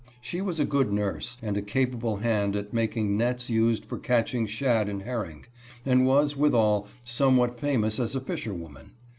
She was a good nurse, and a capital hand at making nets used for catching shad and herring, and was, withal, somewhat famous as a fisherwoman.